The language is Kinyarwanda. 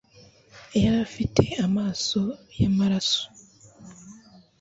yari afite amaso yamaraso